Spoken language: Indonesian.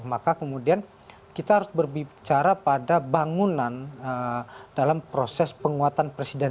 maka kemudian kita harus berbicara pada bangunan dalam proses penguatan presiden